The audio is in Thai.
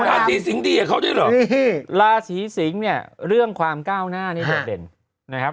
ราศีสิงค์ดีเหรอราศีสิงค์เนี่ยเรื่องความก้าวหน้านี้โดดเด่นนะครับ